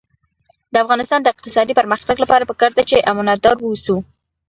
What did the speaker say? د افغانستان د اقتصادي پرمختګ لپاره پکار ده چې امانتدار اوسو.